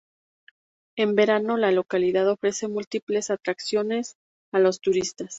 En verano la localidad ofrece otras múltiples atracciones a los turistas.